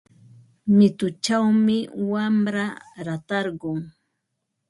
Mituchawmi wamra ratarqun.